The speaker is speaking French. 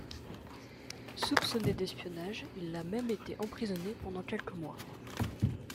Soupçonné d'espionnage, il a même été emprisonné pendant quelques mois.